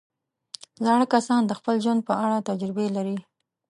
زاړه کسان د خپل ژوند په اړه تجربې لري